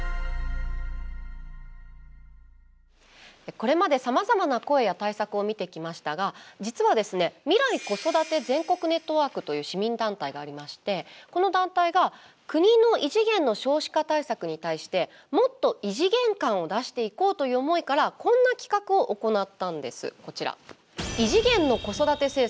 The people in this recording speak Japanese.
これまで、さまざまな声や対策を見てきましたが実はみらい子育て全国ネットワークという市民団体がありましてこの団体が国の異次元の少子化対策に対してもっと異次元感を出していこうという思いからこんな企画を行ったんです。